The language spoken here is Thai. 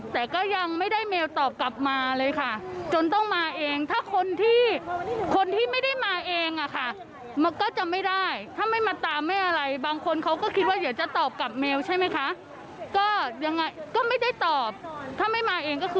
ถ้าไม่มาเองก็คือไม่ได้แน่นอนค่ะ